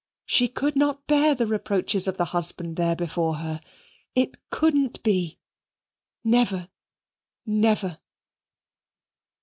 She could not bear the reproaches of the husband there before her. It couldn't be. Never, never.